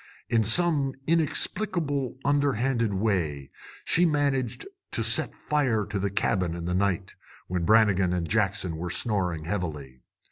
In some inexplicable, underhanded way, she managed to set fire to the cabin in the night, when Brannigan and Jackson were snoring heavily.